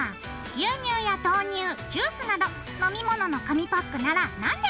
牛乳や豆乳ジュースなど飲み物の紙パックなら何でもＯＫ！